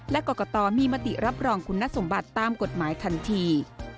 และกรกตมีมติรับรองคุณสมบัติตามกฎหมายทันที